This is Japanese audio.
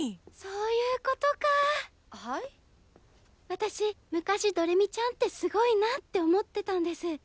私昔どれみちゃんってすごいなって思ってたんです。